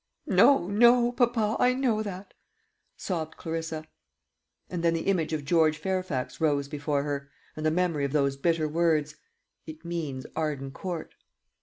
"No, no, papa, I know that," sobbed Clarissa. And then the image of George Fairfax rose before her, and the memory of those bitter words, "It means Arden Court."